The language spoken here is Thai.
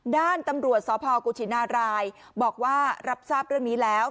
ด้านตำรวจสพกุชินารายบอกว่ารับทราบเรื่องนี้แล้ว